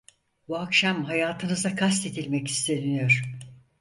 Bu akşam hayatınıza kastedilmek isteniyor!